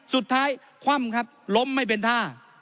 สุดท้ายคว่ำครับล้มไม่เป็นท่า